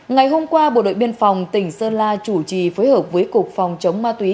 ngày hôm qua bộ đội biên phòng tỉnh sơn la chủ trì phối hợp với cục phòng chống ma túy